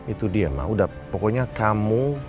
itu dia pak pokoknya kamu